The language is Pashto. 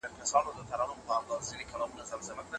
ښوونه د فرد شخصیت ته وده ورکوي.